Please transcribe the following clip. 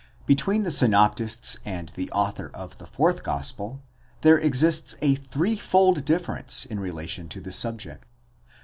Between the synoptists and the author of the fourth gospel, there exists a threefold difference in rela tion to this subject.